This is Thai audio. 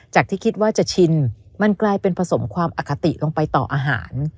ที่คิดว่าจะชินมันกลายเป็นผสมความอคติลงไปต่ออาหาร